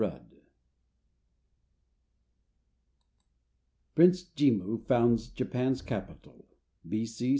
PRINCE JIMMU FOUNDS JAPAN'S CAPITAL B.C.